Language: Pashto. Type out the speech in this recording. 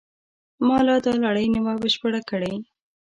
ما لا دا لړۍ نه وه بشپړه کړې.